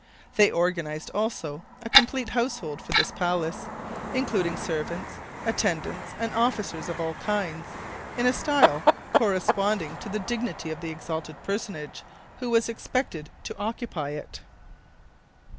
They organized also a complete household for this palace, including servants, attendants, and officers of all kinds, in a style corresponding to the dignity of the exalted personage who was expected to occupy it.